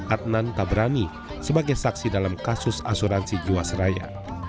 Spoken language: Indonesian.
adnan tabrani sebagai saksi dalam kasus asuransi jiwasraya